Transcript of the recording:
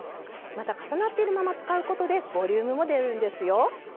また重なっているまま使うことでボリュームも出るんですよ。